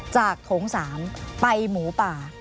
จากโถงสามไปหมูป่า